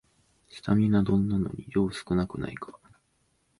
スタミナ丼なのに量少なくないか